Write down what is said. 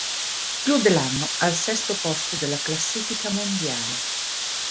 Chiude l'anno al sesto posto della classifica mondiale.